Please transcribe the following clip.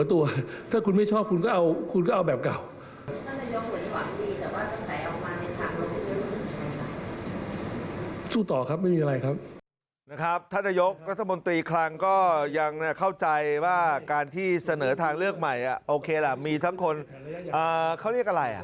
ท่านนายกมีสวัสดีหนึ่งเ